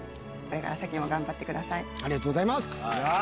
ありがとうございます！